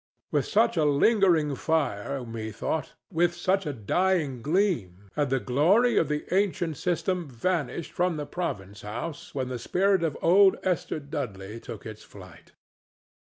With such a lingering fire, methought, with such a dying gleam, had the glory of the ancient system vanished from the province house when the spirit of old Esther Dudley took its flight.